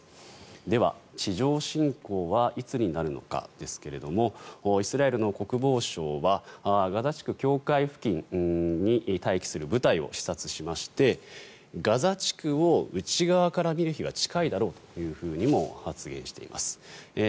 では、地上侵攻はいつになるのかですけれどもイスラエルの国防相はガザ地区境界付近に待機する部隊を視察しましてガザ地区を内側から見る日は近いだろうというふうにも発言しています。